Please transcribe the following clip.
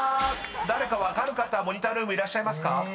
［誰か分かる方モニタールームいらっしゃいますか？］